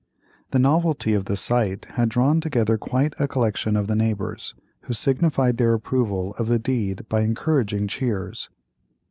The novelty of the sight had drawn together quite a collection of the neighbors, who signified their approval of the deed by encouraging cheers.